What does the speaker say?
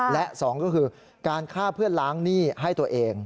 และ๒ก็คือการฆ่าเพื่อล้างหนี้ให้ตัวเอง